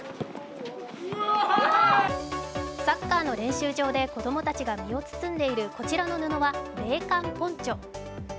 サッカーの練習場で子供たちが身を包んでいるこちらの布は冷感ポンチョ。